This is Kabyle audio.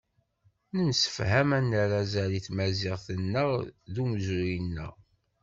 Nemsefham ad nerr azal i tmaziɣt-nneɣ d umezruy-nneɣ.